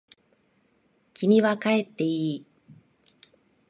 君は帰っていい。